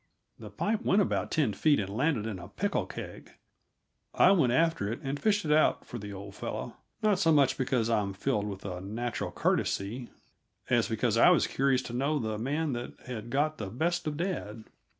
The pipe went about ten feet and landed in a pickle keg. I went after it and fished it out for the old fellow not so much because I'm filled with a natural courtesy, as because I was curious to know the man that had got the best of dad.